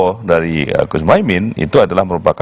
pak prabowo dari kusumaimin itu adalah merupakan